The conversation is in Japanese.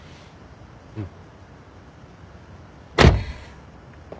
うん。